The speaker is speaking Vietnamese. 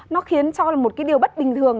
nó khiến cho một cái điều bất bình thường